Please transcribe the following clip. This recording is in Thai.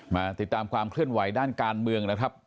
มาติดตามความเคลื่อนไหวด้านการเมืองนะครับ